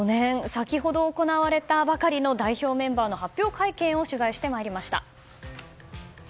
先ほど行われたばかりの代表メンバーの発表会見を取材してまいりました。